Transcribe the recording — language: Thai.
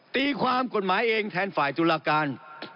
ตีความกฎหมายเองแทนฝ่ายตุลาการ